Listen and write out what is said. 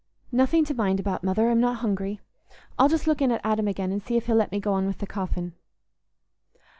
"Nothing to mind about, Mother; I'm not hungry. I'll just look in at Adam again, and see if he'll let me go on with the coffin."